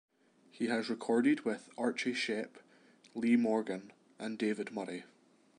He has recorded with Archie Shepp, Lee Morgan and David Murray.